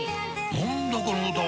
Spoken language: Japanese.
何だこの歌は！